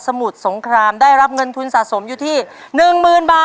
ถูกไม่ถูก